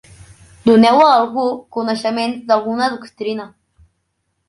Doneu a algú coneixements d'alguna doctrina.